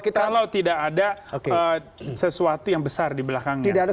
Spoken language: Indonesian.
kalau tidak ada sesuatu yang besar di belakangnya